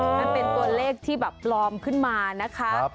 มันเป็นตัวเลขที่แบบปลอมขึ้นมานะคะ